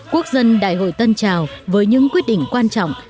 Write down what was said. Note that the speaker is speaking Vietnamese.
quốc dân đại hội tân trào với những quyết định quan trọng